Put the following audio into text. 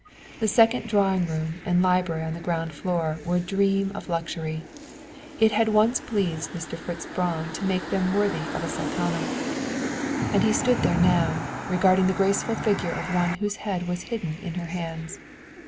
The second drawing room and library on the ground floor were a dream of luxury. It had once pleased Mr. Fritz Braun to make them worthy of a Sultana. And he stood there now, regarding the graceful figure of one whose head was hidden in her hands.